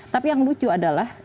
tapi yang lucu adalah